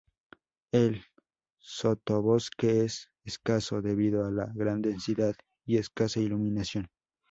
El sotobosque es escaso, debido a la gran densidad y escasa iluminación.